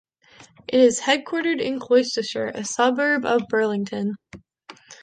It is headquartered in Colchester, a suburb of Burlington.